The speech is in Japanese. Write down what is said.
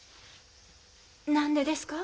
何でですか？